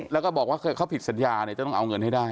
แล้วก็บอกว่าเขาผิดสัญญาจะต้องเอาเงินให้ได้